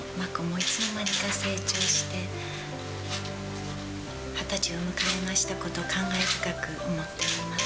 いつの間にか成長して、２０歳を迎えましたこと、感慨深く思っております。